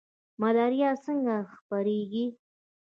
ملاریا څنګه خپریږي؟